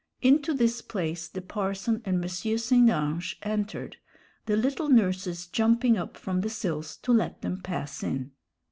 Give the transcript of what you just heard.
Into this place the parson and M. St. Ange entered, the little nurses jumping up from the sills to let them pass in.